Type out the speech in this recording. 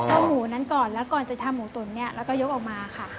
เอาหมูนั้นก่อนแล้วก่อนจะทำหมูตุ๋นเนี่ยแล้วก็ยกออกมาค่ะ